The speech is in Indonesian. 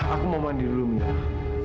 aku mau mandi dulu minah